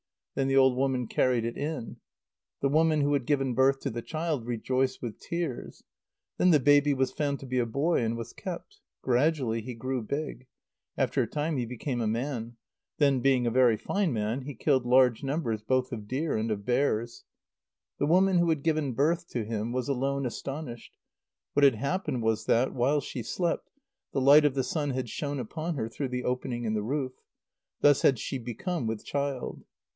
Then the old woman carried it in. The woman who had given birth to the child rejoiced with tears. Then the baby was found to be a boy, and was kept. Gradually he grew big. After a time he became a man. Then, being a very fine man, he killed large numbers both of deer and of bears. The woman who had given birth to him was alone astonished. What had happened was that, while she slept, the light of the sun had shone upon her through the opening in the roof. Thus had she become with child.